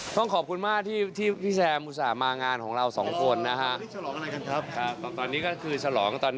ต้องขอบคุณมากที่พี่แซมอุตส่าห์มางานของเราสองคนนะฮะ